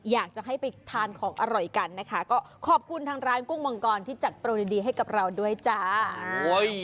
อยากจะให้ไปทานของอร่อยกันนะคะก็ขอบคุณทางร้านกุ้งมังกรที่จัดโปรดีให้กับเราด้วยจ้า